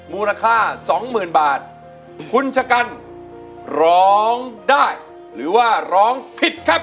มูลค่าสองหมื่นบาทคุณชะกันร้องได้หรือว่าร้องผิดครับ